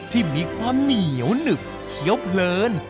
ที่มีความเหนียวหนึบเคี้ยวเพลิน